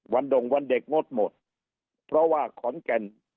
ดงวันเด็กงดหมดเพราะว่าขอนแก่น